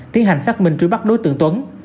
tiến hành xác minh trúi bắt đối tượng tuấn